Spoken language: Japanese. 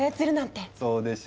そうでしょう！